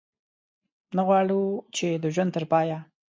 نه غواړو چې د ژوند تر پایه.